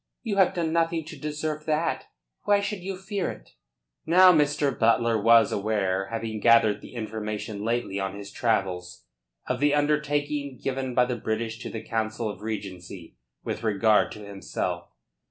You have done nothing to deserve that. Why should you fear it?" Now Mr. Butler was aware having gathered the information lately on his travels of the undertaking given by the British to the Council of Regency with regard to himself.